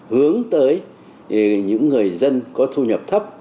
hướng tới những người dân có thu nhập thấp